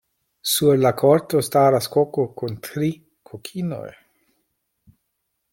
Sur la korto staras koko kun tri kokinoj.